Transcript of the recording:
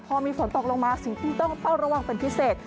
พอมีฝนตกลงมาสิ่งที่ต้องเฝ้าระวังเป็นพิเศษ